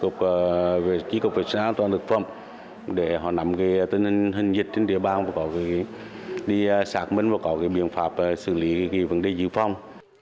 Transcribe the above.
trí cục vệ sinh an toàn thực phẩm để họ nằm hình dịch trên địa bàn và đi xác minh và có biện pháp xử lý vấn đề dự phòng